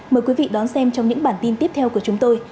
mời quý vị đón xem trong những bản tin tiếp theo của chúng tôi